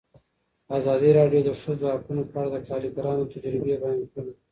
ازادي راډیو د د ښځو حقونه په اړه د کارګرانو تجربې بیان کړي.